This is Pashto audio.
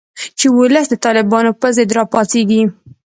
چې ولس د طالبانو په ضد راپاڅیږي